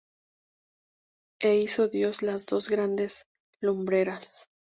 E hizo Dios las dos grandes lumbreras